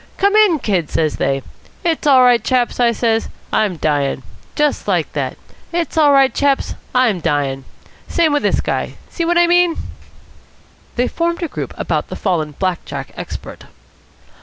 'Come in, Kid,' says they. 'It's all right, chaps,' I says, 'I'm dying.' Like that. 'It's all right, chaps, I'm dying.' Same with this guy. See what I mean?" They formed a group about the fallen black jack expert.